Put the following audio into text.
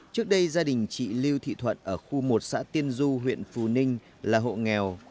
trước đây gia đình chị lưu thị thuận ở khu một xã tiên du huyện phù ninh là hộ nghèo